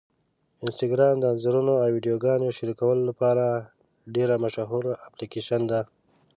انسټاګرام د انځورونو او ویډیوګانو شریکولو لپاره ډېره مشهوره اپلیکېشن ده.